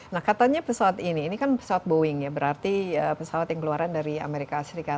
nah katanya pesawat ini ini kan pesawat boeing ya berarti pesawat yang keluaran dari amerika serikat